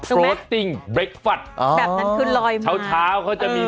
ถูกไหมแบบนั้นคือลอยมาช้าวเขาจะมี